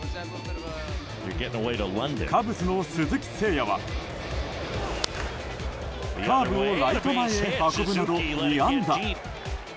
カブスの鈴木誠也はカーブをライト前へ運ぶなど２安打。